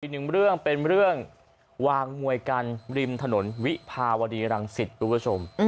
อีกหนึ่งเรื่องเป็นเรื่องวางมวยกันริมถนนวิภาวดีรังสิตคุณผู้ชม